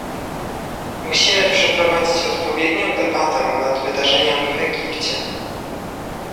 Musimy przeprowadzić odpowiednią debatę nad wydarzeniami w Egipcie